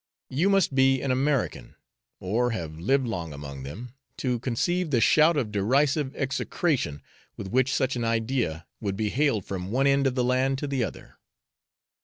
You must be an American, or have lived long among them, to conceive the shout of derisive execration with which such an idea would be hailed from one end of the land to the other.